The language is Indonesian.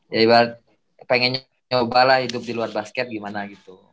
ya ibarat pengen nyoba lah hidup di luar basket gimana gitu